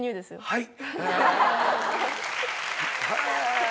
はい。